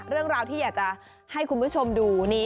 เรื่องราวที่อยากจะให้คุณผู้ชมดูนี่